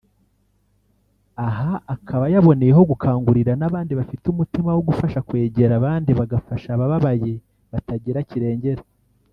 aha akaba yaboneyeho gukangurira n'abandi bafite umutima wo gufasha kwegera abandi bagafasha ababaye batagira kirengera